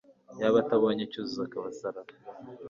yaba atabonye Cyuzuzo akabasarana